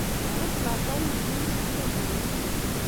Magaas lakwanin tuguk chegimwoni